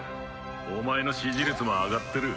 お前の支持率も上がってる。